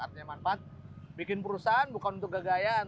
artinya manfaat bikin perusahaan bukan untuk kegayaan